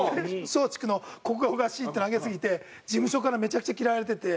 松竹のここがおかしいっていうのを挙げすぎて事務所からめちゃくちゃ嫌われてて。